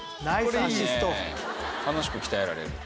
楽しく鍛えられる。